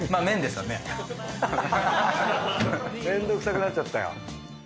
めんどくさくなっちゃったよ。